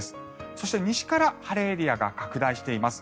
そして、西から晴れエリアが拡大しています。